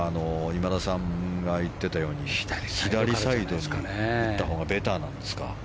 今田さんが言っていたように左サイドに打ったほうがベターなんですか？